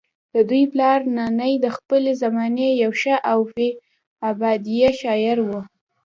ددوي پلار نانے د خپلې زمانې يو ښۀ او في البديهه شاعر وو